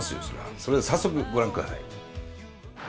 それでは早速ご覧ください。